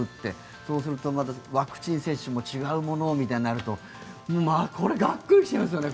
そうするとワクチン接種も違うものみたいになるとがっくり来ちゃいますね。